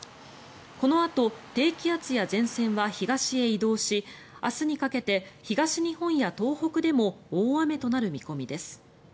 このあと低気圧や前線は東へ移動し明日にかけて、東日本や東北でも大雨となる見込みです。